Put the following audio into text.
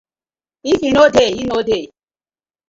If e didnʼt dey, e didnʼt dey.